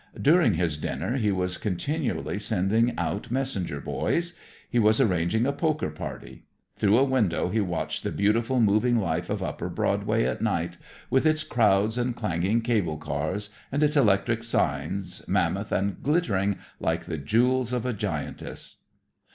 During his dinner he was continually sending out messenger boys. He was arranging a poker party. Through a window he watched the beautiful moving life of upper Broadway at night, with its crowds and clanging cable cars and its electric signs, mammoth and glittering like the jewels of a giantess.